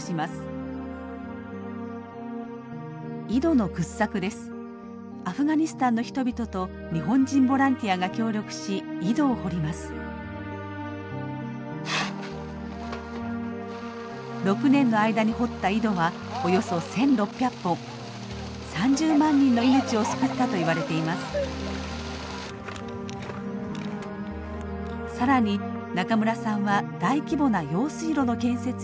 更に中村さんは大規模な用水路の建設に乗り出します。